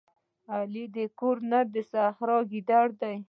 علي د کور نر د سحرا ګیدړه ده.